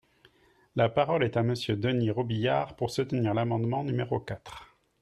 La parole est à Monsieur Denys Robiliard, pour soutenir l’amendement numéro quatre.